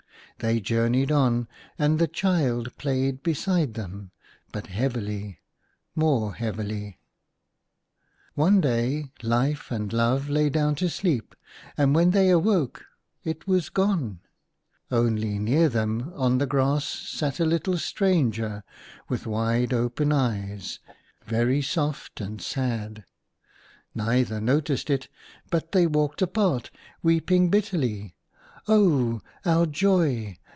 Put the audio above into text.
They journeyed on, and the child played beside them, but heavily, more heavily. One day Life and Love lay down to i6 THE LOsi JOY. sleep ; and when they awoke, it was gone : only, near them, on the grass, sat a little stranger, with wide open eyes, very soft and sad. Neither noticed it ; but they walked apart, weeping bitterly, "Oh, our Joy!